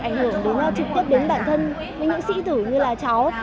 ảnh hưởng đến trực tiếp đến bản thân với những sĩ thử như là cháu